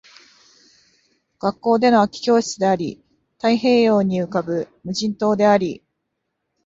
学校での空き教室であり、太平洋に浮ぶ無人島であり